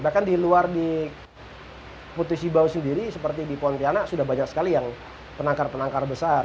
bahkan di luar di putus ibau sendiri seperti di pontianak sudah banyak sekali yang penangkar penangkar besar